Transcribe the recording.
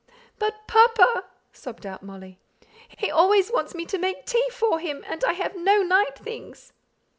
"But papa!" sobbed out Molly. "He always wants me to make tea for him; and I have no night things."